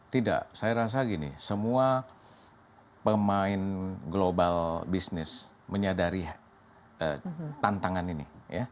tidak saya rasa gini semua pemain global bisnis menyadari tantangan ini